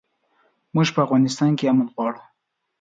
موږ په افغانستان کښې امن غواړو